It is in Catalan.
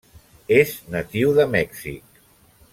És natiu de Mèxic.